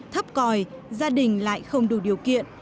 thấp còi gia đình lại không đủ điều kiện